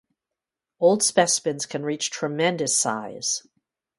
Old specimens can reach tremendous size.